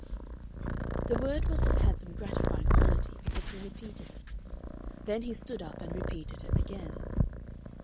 The word must have had some gratifying quality, because he repeated it. Then he stood up and repeated it again.